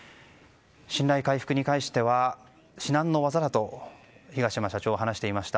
信頼回復に対しては至難の業だと東山社長は話していました。